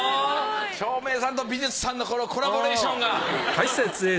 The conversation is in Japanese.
照明さんと美術さんのこのコラボレーションが。